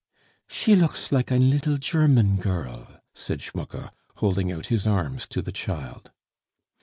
"She looks like ein liddle German girl," said Schmucke, holding out his arms to the child.